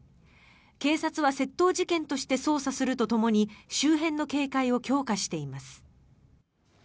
警察は窃盗事件として捜査するとともに周辺の警戒を強化しています。